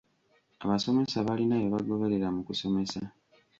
Abasomesa balina bye bagoberera mu kusomesa.